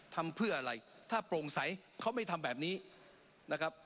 ทำเพื่ออะไรถ้าโปร่งใสเขาไม่ทำแบบนี้นะครับ